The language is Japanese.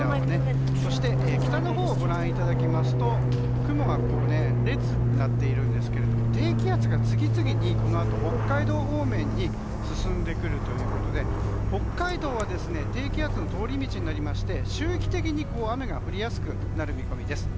そして、北のほうをご覧いただきますと雲が列になっているんですが低気圧が次々にこのあと北海道方面に進んでくるということで北海道は低気圧の通り道になりまして周期的に雨が降りやすくなる見込みです。